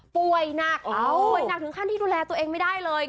ป่วยหนักป่วยหนักถึงขั้นที่ดูแลตัวเองไม่ได้เลย